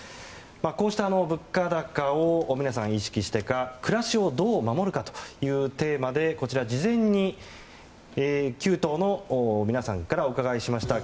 こうした物価高を皆さん意識してか暮らしをどう守るかというテーマで事前に９党の皆さんにお伺いしました。